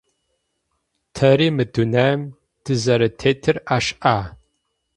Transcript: Тэри мы дунаим тызэрэтетыр ашӏа?